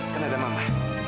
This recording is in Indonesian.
kan ada mama